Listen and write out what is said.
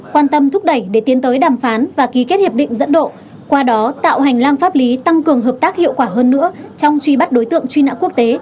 quan tâm thúc đẩy để tiến tới đàm phán và ký kết hiệp định dẫn độ qua đó tạo hành lang pháp lý tăng cường hợp tác hiệu quả hơn nữa trong truy bắt đối tượng truy nã quốc tế